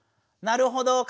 なるほど。